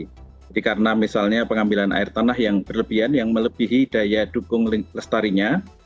jadi karena misalnya pengambilan air tanah yang berlebihan yang melebihi daya dukung lestarinya